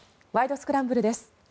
スクランブル」です。